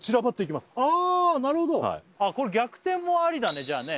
ああなるほどこれ逆転もありだねじゃあね